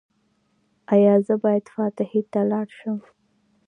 ایا زه باید فاتحې ته لاړ شم؟